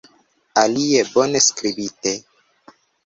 Alie, bone skribite!